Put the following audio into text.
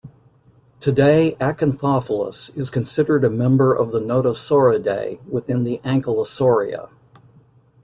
Today "Acanthopholis" is considered a member of the Nodosauridae within the Ankylosauria.